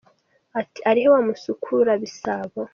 Ati, arihe wa musukura bisabo?